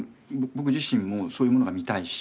僕自身もそういうものが見たいし。